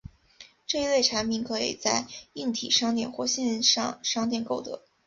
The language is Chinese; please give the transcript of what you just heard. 这一类产品可以在硬体商店或线上商店购得。